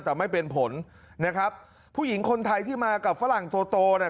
แต่ไม่เป็นผลนะครับผู้หญิงคนไทยที่มากับฝรั่งตัวโตเนี่ย